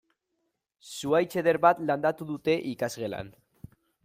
Zuhaitz eder bat landatu dute ikasgelan.